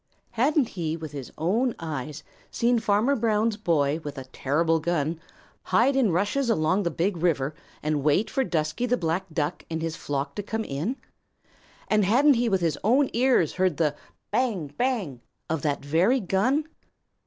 Hadn't he with his own eyes seen Farmer Brown's boy with a terrible gun hide in rushes along the Big River and wait for Dusky the Black Duck and his flock to come in? And hadn't he with his own ears heard the "bang, bang" of that very gun?